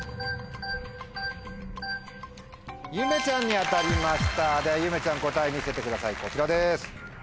ゆめちゃんに当たりましたではゆめちゃん答え見せてくださいこちらです。